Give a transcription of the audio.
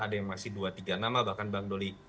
ada yang masih dua tiga nama bahkan bang doli